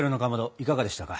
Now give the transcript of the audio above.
いかがでしたか？